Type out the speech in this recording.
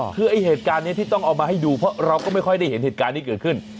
คือไอ้เหตุการณ์นี้ที่ต้องเอามาให้ดูเพราะเราก็ไม่ค่อยได้เห็นเหตุการณ์ที่เกิดขึ้น